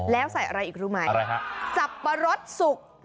แล้วใส่อะไรอีกรู้ไหมจับปะรสสุก